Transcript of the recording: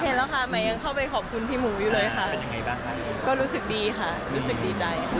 เห็นแล้วค่ะใหม่ยังเข้าไปขอบคุณพี่หมูอยู่เลยค่ะก็รู้สึกดีค่ะรู้สึกดีใจค่ะ